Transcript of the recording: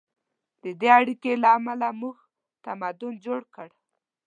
د دې اړیکې له امله موږ تمدن جوړ کړ.